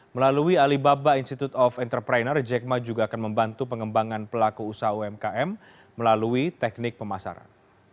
melalui alibaba institute of entrepreneur jack ma juga akan membantu pengembangan pelaku usaha umkm melalui teknik pemasaran